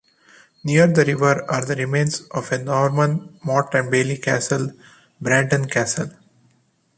Near the river are the remains of a Norman motte-and-bailey castle, Brandon Castle.